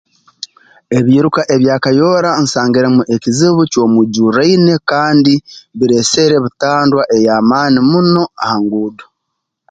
Ebiiruka ebya kayoora nsangiremu ekizibu ky'omwijurraine kandi bireesere butandwa ey'amaani muno ha nguudo